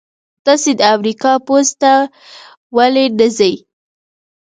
تاسې د امریکا پوځ ته ولې نه ځئ؟